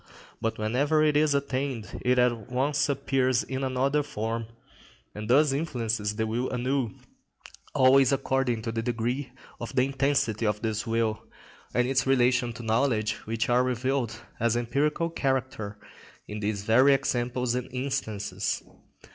But whenever it is attained it at once appears in another form, and thus influences the will anew, always according to the degree of the intensity of this will, and its relation to knowledge which are revealed as empirical character, in these very examples and instances.